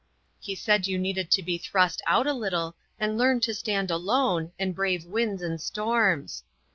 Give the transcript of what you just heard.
He said you needed to be thrust out a little, and learn to stand alone, and brave winds and storms.